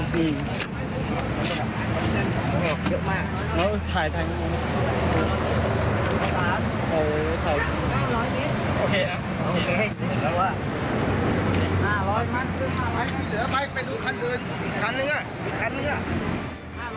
มีเหลือไหมไปดูคันอื่นอีกคันนึงอ่ะ